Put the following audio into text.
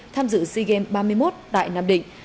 tham dự c game ba mươi một tại nam định